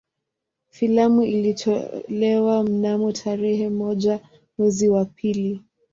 Filamu ilitolewa mnamo tarehe moja mwezi wa pili